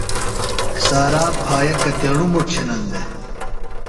سارا پھایہ کتیݨُوۡ مُٹ چِھنن دےۡ؟